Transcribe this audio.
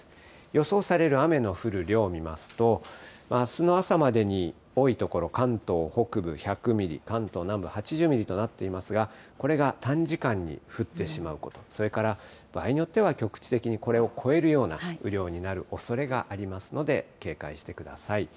予想される雨の降る量を見ますと、あすの朝までに、多い所、関東北部１００ミリ、関東南部８０ミリとなっていますが、これが短時間に降ってしまうこと、それから、場合によっては、局地的にこれを超えるような雨量になるおそれがありますので警戒してください。